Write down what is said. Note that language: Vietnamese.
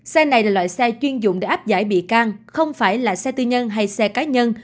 xe này là loại xe chuyên dụng để áp giải bị can không phải là xe tư nhân hay xe cá nhân